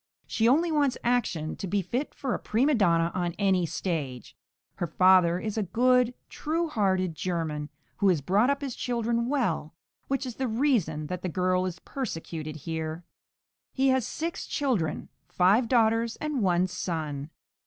She only wants action to be fit for a prima donna on any stage. Her father is a good, true hearted German, who has brought up his children well, which is the reason that the girl is persecuted here. He has six children, five daughters and one son.